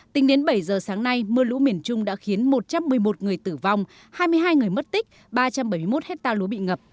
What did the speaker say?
tính đến bảy giờ sáng nay mưa lũ miền trung đã khiến một trăm một mươi một người tử vong hai mươi hai người mất tích ba trăm bảy mươi một hectare lúa bị ngập